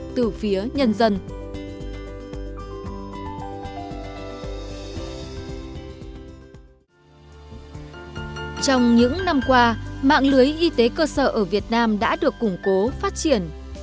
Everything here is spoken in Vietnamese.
trong những năm qua mạng lưới y tế cơ sở ở việt nam đã được củng cố phát triển